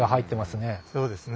そうですね。